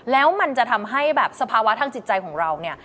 แล้วมันจะทำให้แบบสภาวะทางจิตใจของเราเนี่ย